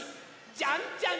「じゃんじゃん！